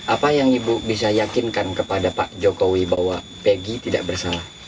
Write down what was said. apa yang ibu bisa yakinkan kepada pak jokowi bahwa pg tidak bersalah